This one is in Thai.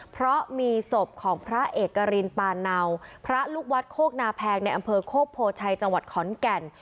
เพราะมีศพของพระเอกรินปาเนาพระลูกวัดโคกนาแพงในอำเภอโคกโพชัยจังหวัดขอนแก่น